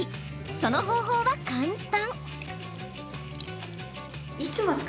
その方法は簡単。